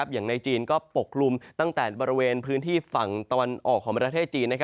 อย่างในจีนก็ปกลุ่มตั้งแต่บริเวณพื้นที่ฝั่งตะวันออกของประเทศจีน